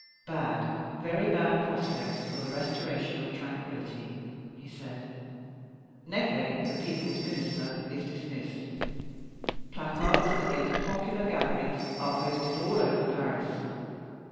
"Bad, very bad prospects for the restoration of tranquillity," he said. "Necker, the people's Minister, is dismissed. Placards against popular gatherings are posted all over Paris.